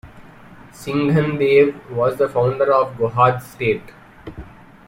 Singhandev was the founder of Gohad state.